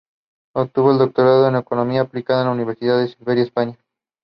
In retirement Meredith lived in Brisbane.